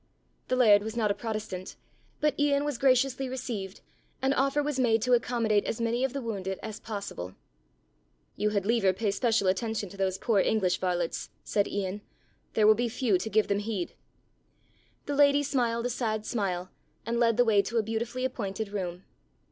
The laird was not a protestant, but Ian was graciously received and offer was made to accommodate as many of the wounded as possible. "You had liever pay special attention to those poor English varlets," said Ian. "There will be few to give them heed." The Lady smiled a sad smile and led the way to a beautifully appointed room.